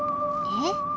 えっ？